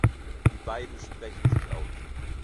Die beiden sprechen sich aus.